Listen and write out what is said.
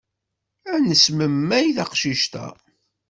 Ad nesmemmay taqcict-a.